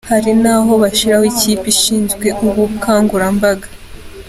Hari n’aho bashyiraho ikipe ishinzwe ubukangurambaga.